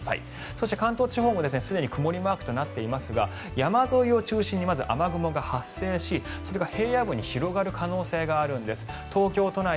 そして、関東地方もすでに曇りマークとなっていますが山沿いを中心にまず雨雲が発生しそれが平野部に広がる可能性があるんです。